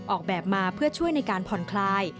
ออกแบบมาเพื่อช่วยในการผ่อนคลาย